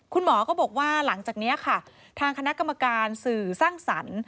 คุณหมอก็บอกว่าหลังจากนี้ค่ะทางคณะกรรมการสื่อสร้างสรรค์